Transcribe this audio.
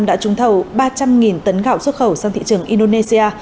đã trúng thầu ba trăm linh tấn gạo xuất khẩu sang thị trường indonesia